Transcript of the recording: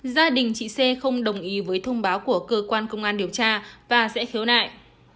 gia đình chị c không đồng ý với thông báo của cơ quan công an điều tra và sẽ khiếu nại